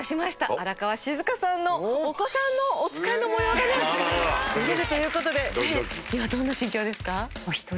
荒川静香さんのお子さんのおつかいの模様がね見れるということで今どんな心境ですか？